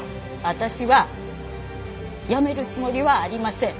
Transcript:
私は辞めるつもりはありません。